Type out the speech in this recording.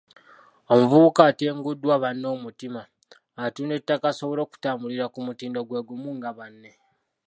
Omuvubuka atenguddwa banne omutima, atunda ettaka asobole okutambulira ku mutindo gwe gumu nga banne.